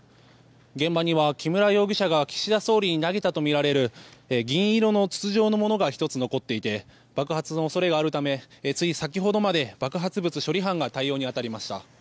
現場には木村容疑者が岸田総理に投げたとみられる銀色の筒状のものが１つ残っていて爆発の恐れがあるためつい先ほどまで、爆発物処理班が対応に当たりました。